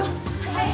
はい！